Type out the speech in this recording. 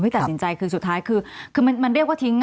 ตัดสินใจคือสุดท้ายคือมันเรียกว่าทิ้ง